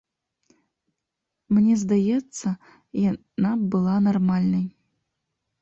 Мне здаецца, яна б была нармальнай.